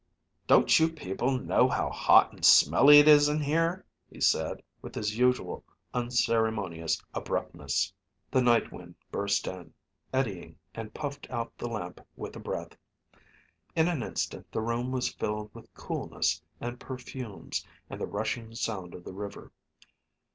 "Don't you people know how hot and smelly it is in here?" he said, with his usual unceremonious abruptness. The night wind burst in, eddying, and puffed out the lamp with a breath. In an instant the room was filled with coolness and perfumes and the rushing sound of the river.